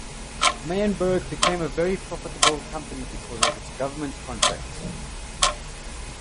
Meyenberg became a very profitable company because of its government contracts.